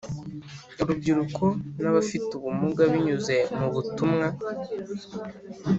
urubyiruko nabafite ubumuga binyuze mububutumwa